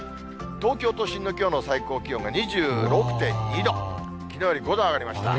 東京都心のきょうの最高気温が２６．２度、きのうより５度上がりました。